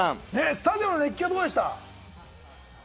スタジアムの熱気はどうでした？